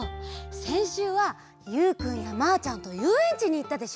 せんしゅうはゆうくんやまあちゃんとゆうえんちにいったでしょ。